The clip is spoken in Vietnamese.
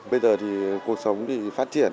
bây giờ thì cuộc sống phát triển